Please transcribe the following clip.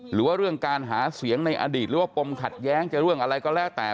หรือว่าเรื่องการหาเสียงในอดีตหรือว่าปมขัดแย้งจะเรื่องอะไรก็แล้วแต่